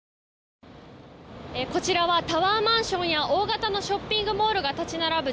こちらはタワーマンションや大型のショッピングモールが立ち並ぶ